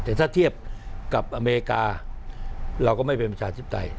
แต่ถ้าเทียบกับอเมริกาเราก็ไม่เป็นประชาธิปไตย